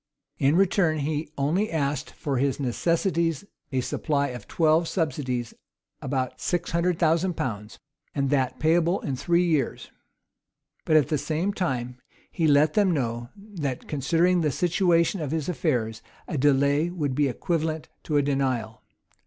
In return, he only asked for his necessities a supply of twelve subsidies, about six hundred thousand pounds, and that payable in three years; but at the same time he let them know, that, considering the situation of his affairs, a delay would be equivalent to a denial.